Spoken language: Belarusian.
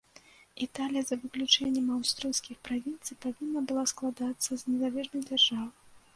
Італія, за выключэннем аўстрыйскіх правінцый, павінна была складацца з незалежных дзяржаў.